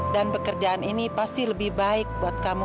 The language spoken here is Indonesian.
dan pekerjaan ini pasti lebih baik buat kamu